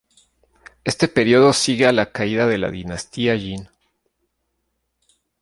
Este período sigue a la caída de la dinastía Jin.